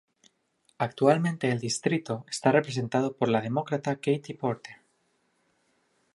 Actualmente el distrito está representado por la Demócrata Katie Porter.